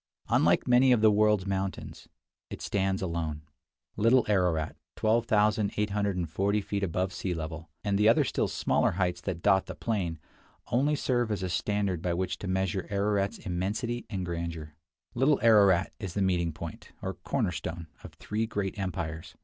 Unlike many of the world's mountains, it stands alone. Little Ararat (12,840 feet above sea level), and the other still smaller heights that dot the plain, only serve as a standard by which to measure Ararat's immensity and grandeur. Little Ararat is the meeting point, or corner stone, of three great empires.